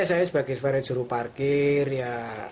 saya sebagai juru parkir ya